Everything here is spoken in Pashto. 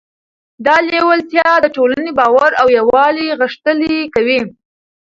دا لیوالتیا د ټولنې باور او یووالی غښتلی کوي.